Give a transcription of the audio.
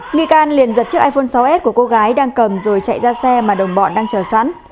nghi can liền giật chiếc iphone sáu s của cô gái đang cầm rồi chạy ra xe mà đồng bọn đang chờ sẵn